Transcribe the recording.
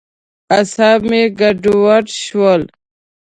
اعصاب مې ګډوډ شول.